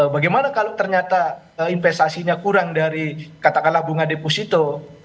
bagaimana kalau ternyata investasinya kurang dari katakanlah bunga deposito